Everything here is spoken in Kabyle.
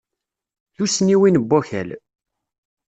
Tussniwin n wakal.